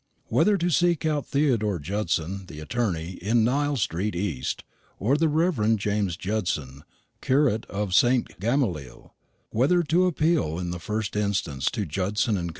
Whether to seek out Theodore Judson, the attorney, in Nile street East, or the Rev. James Judson, curate of St. Gamaliel; whether to appeal in the first instance to Judson & Co.